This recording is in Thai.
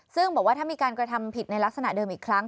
ซึ่งบอกว่าถ้ามีการกระทำผิดในลักษณะเดิมอีกครั้ง